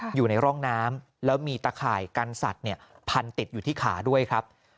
อยู่ในร่องน้ำแล้วมีตะข่ายกันสัตว์พันติดอยู่ที่ขาด้วยครับ